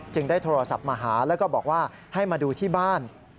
ได้โทรศัพท์มาหาแล้วก็บอกว่าให้มาดูที่บ้าน